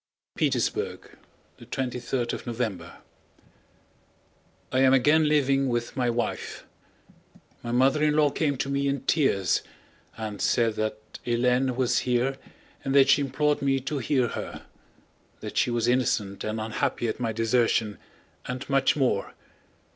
Petersburg, 23rd November I am again living with my wife. My mother in law came to me in tears and said that Hélène was here and that she implored me to hear her; that she was innocent and unhappy at my desertion, and much more.